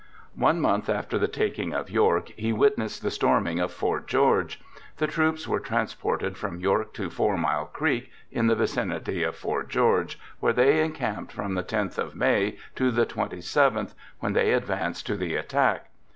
* One month after the taking of York he witnessed the storming of Fort George. The troops were trans ported from York to " Four Mile Creek " (in the vicinity of Ft. George), where they encamped from the loth of May to the 27th, when they advanced to the attack.